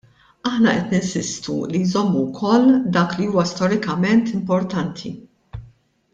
Aħna qed ninsistu li jżommu wkoll dak li huwa storikament importanti.